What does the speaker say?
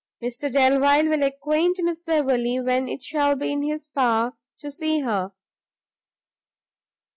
Mr Delvile will acquaint Miss Beverley when it shall be in his power to see her.